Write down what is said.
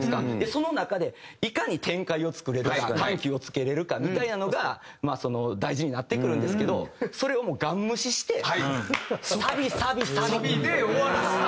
その中でいかに展開を作れるか緩急をつけれるかみたいなのが大事になってくるんですけどそれをもうガン無視してサビサビサビ。